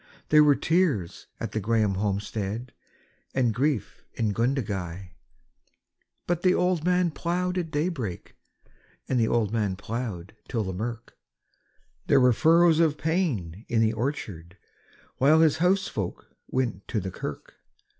There were tears at the Grahame homestead and grief in Gundagai; But the old man ploughed at daybreak and the old man ploughed till the mirk There were furrows of pain in the orchard while his housefolk went to the kirk.